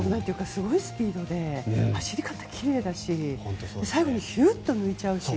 すごいスピードで走り方がきれいだし最後にひゅっと抜いていくし。